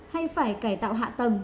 hay phải cải tạo hạ tầng